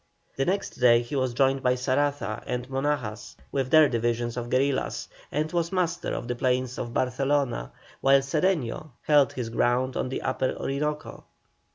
The next day he was joined by Saraza and Monagas with their divisions of guerillas, and was master of the plains of Barcelona, while Cedeño held his ground on the Upper Orinoco.